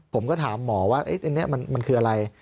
ผมก็ถามหมอว่าอันนี้มันคืออะไร